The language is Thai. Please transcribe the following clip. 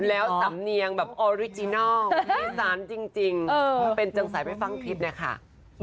แล้วยังหล่อพี่แจ๊คดูดีกว่า